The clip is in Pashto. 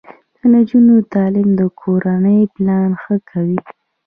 د نجونو تعلیم د کورنۍ پلان ښه کوي.